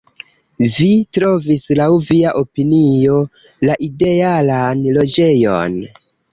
Vi trovis, laŭ via opinio, la idealan loĝejon.